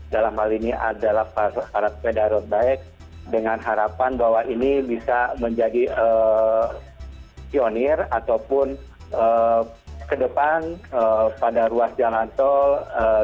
dalam hal ini adalah para pesepeda road bike dengan harapan bahwa ini bisa menjadi pionir ataupun ke depan pada ruang jalan tol bisa digunakan ataupun disediakan ruang untuk penggunaan jalan tol